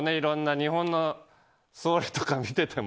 日本の総理とか見てても。